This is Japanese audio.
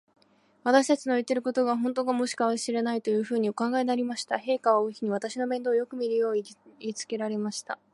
私たちの言ってることが、ほんとかもしれない、というふうにお考えになりました。陛下は王妃に、私の面倒をよくみるように言いつけられました。